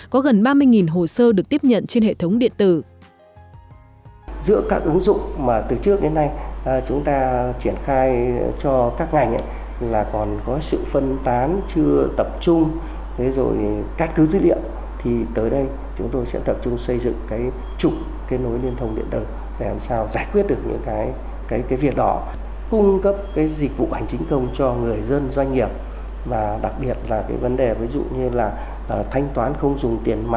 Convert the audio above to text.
có gần ba mươi hồ sơ được tiếp nhận trên hệ thống điện tử